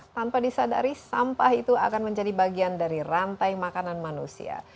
tanpa disadari sampah itu akan menjadi bagian dari rantai makanan manusia